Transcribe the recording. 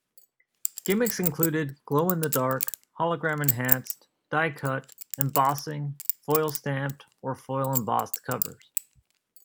Gimmicks included glow-in-the-dark, hologram-enhanced, die-cut, embossing, foil stamped or foil-embossed covers.